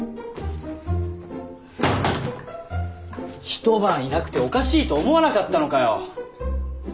一晩いなくておかしいと思わなかったのかよ！